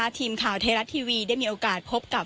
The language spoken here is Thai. ทีมข่าวไทยรัฐทีวีได้มีโอกาสพบกับ